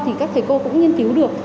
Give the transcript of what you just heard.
thì các thầy cô cũng nghiên cứu được